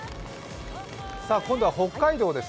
今度は北海道です。